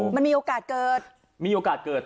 มันมีโอกาสเกิด